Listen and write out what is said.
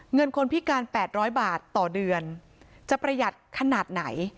เงินคนพิการ๘๐๐บาทต่อเดือนจะประหยัดขนาดไหน